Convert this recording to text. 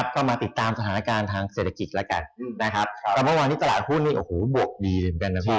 ก็มาติดตามสถานการณ์ทางเศรษฐกิจแล้วกันวันนี้ตลาดหุ้นบวกดีเหมือนกันนะพี่